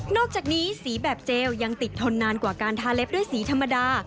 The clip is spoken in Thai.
อกจากนี้สีแบบเจลยังติดทนนานกว่าการทาเล็บด้วยสีธรรมดา